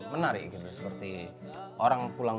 pelancong kuvan betterpod memberkeri pada official sing